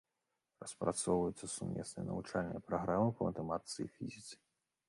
Распрацоўваюцца сумесныя навучальныя праграмы па матэматыцы і фізіцы.